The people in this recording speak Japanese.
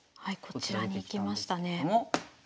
はいこちらに行きましたね。